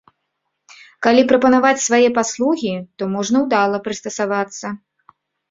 Калі прапанаваць свае паслугі, то можна ўдала прыстасавацца.